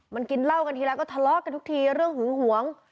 มันกินเหล้ากันทีแล้วก็ทะเลาะกันทุกทีเรื่องหึงหวง